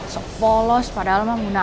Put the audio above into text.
sepolos padahal emang munafik